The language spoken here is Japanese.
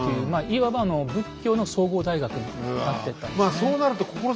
いわば仏教の総合大学になってったんですね。